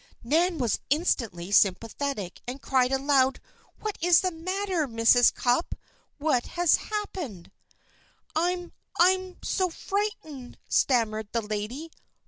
Nan was instantly sympathetic, and cried aloud: "What is the matter, Mrs. Cupp? What has happened?" "I I'm so frightened," stammered the lady.